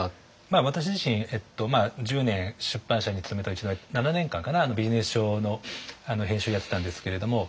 私自身１０年出版社に勤めたうちの７年間かなビジネス書の編集をやってたんですけれども。